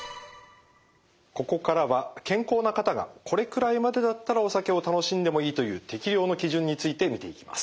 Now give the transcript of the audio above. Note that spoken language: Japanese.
ここからは健康な方がこれくらいまでだったらお酒を楽しんでもいいという適量の基準について見ていきます。